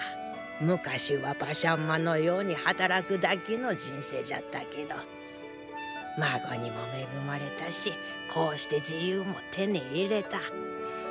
昔は馬車馬のように働くだけの人生じゃったけど孫にも恵まれたしこうして自由も手に入れた。